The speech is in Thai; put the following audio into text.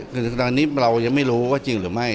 แต่ตอนนี้เรายังไม่รู้ว่าจริงหรือไม่